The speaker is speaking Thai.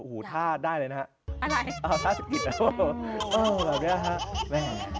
เออถ้าได้เลยนะฮะเออแบบนี้นะฮะแม่ง